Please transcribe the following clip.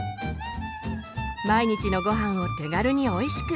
毎日のごはんを手軽においしく！